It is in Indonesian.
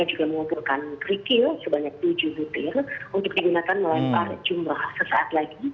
untuk digunakan melempar jumroh sesaat lagi